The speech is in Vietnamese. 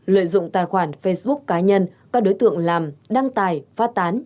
lợi dụng tài khoản facebook cá nhân các đối tượng làm đăng tài phát tán